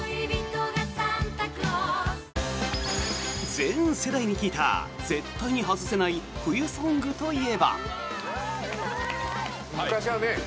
全世代に聞いた絶対に外せない冬ソングといえば？